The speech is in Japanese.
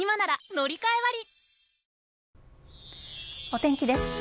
お天気です。